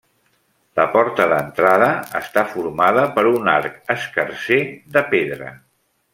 La porta d'entrada està formada per un arc escarser de pedra.